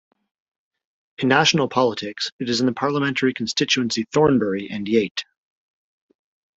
In national politics it is in the parliamentary constituency Thornbury and Yate.